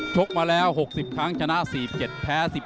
กมาแล้ว๖๐ครั้งชนะ๔๗แพ้๑๗